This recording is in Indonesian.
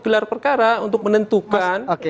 gelar perkara untuk menentukan